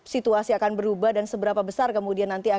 situasi akan berubah dan seberapa besar kemudian nantinya